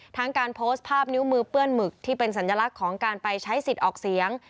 ทั้งการโพสต์ภาพนิ้วมือเปื้อนหมึกที่เป็นสัญลักษณ์ของการไปใช้สิทธิ์ออกเสียง